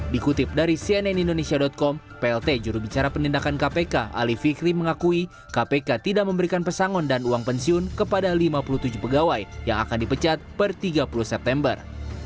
dikutip dari cnn indonesia com plt jurubicara penindakan kpk ali fikri mengakui kpk tidak memberikan pesangon dan uang pensiun kepada lima puluh tujuh pegawai yang akan dipecat per tiga puluh september